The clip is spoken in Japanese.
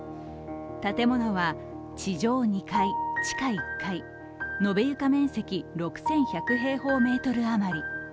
建物は、地上２階、地下１階、延べ床面積６１００平方メートル余り。